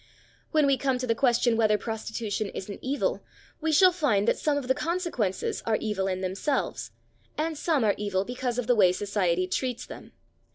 When we come to the question whether prostitution is an evil, we shall find that some of the consequences are evil in themselves, and some are evil because of the way society treats them.